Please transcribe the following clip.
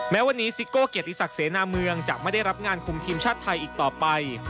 แม้วันนี้ซิโก้เกียรติศักดิเสนาเมืองจะไม่ได้รับงานคุมทีมชาติไทยอีกต่อไป